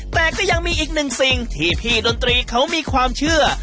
แต่ก็ยังมีอีกหนึ่งสิ่งที่พี่ดนตรีเขามีความเชื่อ